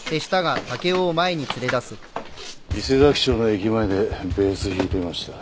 伊勢佐木町の駅前でベース弾いてました。